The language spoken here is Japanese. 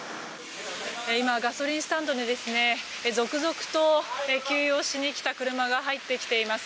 今、ガソリンスタンドに続々と給油をしに来た車が入ってきています。